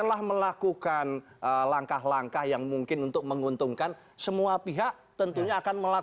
dengan banyak berikutnya